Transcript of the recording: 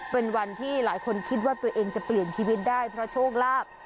เป็นวันที่หลายคนคิดว่าตัวเองจะเปลี่ยนชีวิตได้เพราะโชคลาภ